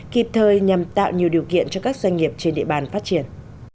kịp thời nhằm tạo nhiều điều kiện cho các doanh nghiệp trên địa bàn phát triển